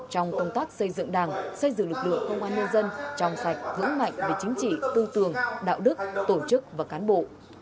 trong công tác xây dựng đảng xây dựng lực lượng công an nhân dân trong sạch vững mạnh về chính trị tư tưởng đạo đức tổ chức và cán bộ